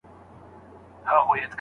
ماهر له ډېر وخته ساعت ته کتلي وو.